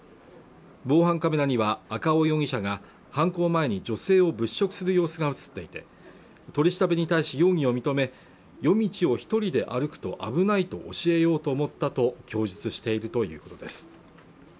防犯カメラには赤尾容疑者が犯行前に女性を物色する様子が映っていて取り調べに対し容疑を認め夜道を一人で歩くと危ないと教えようと思ったと供述しているということです